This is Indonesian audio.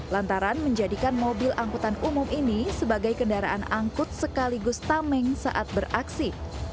lantaran menjadikan mobil angkutan umum ini sebagai kendaraan angkut sekaligus tameng saat beraksi